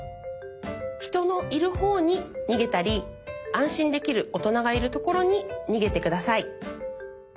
ひとのいるほうににげたりあんしんできるおとながいるところににげてください。